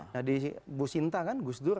nah di bu sinta kan gus dur